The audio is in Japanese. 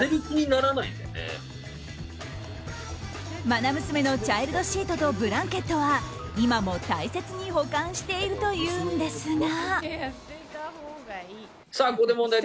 まな娘のチャイルドシートとブランケットは今も大切に保管しているというんですが。